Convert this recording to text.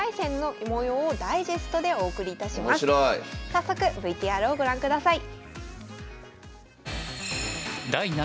早速ＶＴＲをご覧ください。